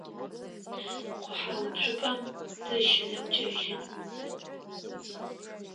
Къухьэуцупӏэм тыщызэӏукӏэжьын.